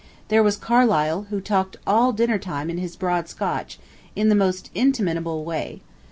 There was Carlyle, who talked all dinner time in his broad Scotch, in the most inimitable way.